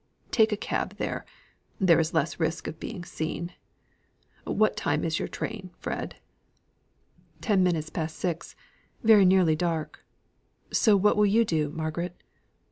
Take a cab there. There is less risk of his being seen. What time is your train, Fred?" "Ten minutes past six; very nearly dark. So what will you do, Margaret?"